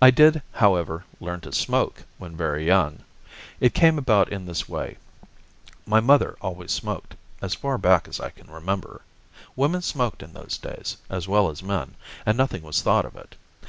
I did, however, learn to smoke when very young. It came about in this way. My mother always smoked, as far back as I can remember. Women smoked in those days, as well as men, and nothing was thought of it.